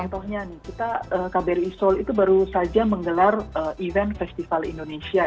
contohnya nih kita kbri seoul itu baru saja menggelar event festival indonesia